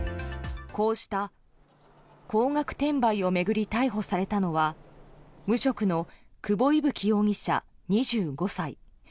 こうした高額転売を巡り逮捕されたのは無職の久保威吹容疑者、２５歳。